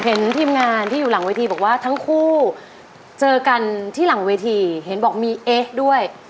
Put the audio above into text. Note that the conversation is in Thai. เห็นทีมงานที่อยู่หลังเวทีบอกว่าทั้งคู่เจอกันที่หลังเวทีเห็นบอกมีเอ๊ะด้วย